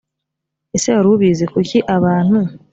ese wari ubizi kuki abantu